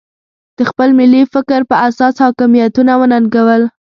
د خپل ملي فکر په اساس حاکمیتونه وننګول.